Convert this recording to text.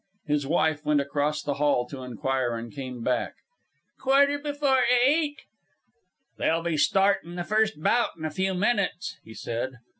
His wife went across the hall to inquire, and came back. "Quarter before eight." "They'll be startin' the first bout in a few minutes," he said.